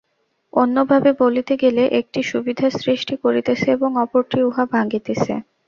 অন্য ভাবে বলিতে গেলে একটি সুবিধার সৃষ্টি করিতেছে এবং অপরটি উহা ভাঙিতেছে।